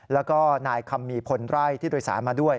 แล้วก็นายคำมีพลไร่ที่โดยสารมาด้วย